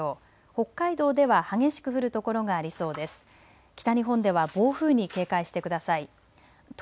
北海道では激しく降る所がありそうです。